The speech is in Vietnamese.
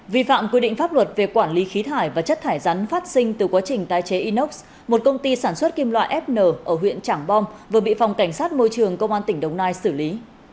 vi phạm quy định pháp luật về quản lý khí thải và chất thải rắn phát sinh từ quá trình tái chế inox một công ty sản xuất kim loại fn ở huyện trảng bom vừa bị phòng cảnh sát môi trường công an tỉnh đồng nai xử lý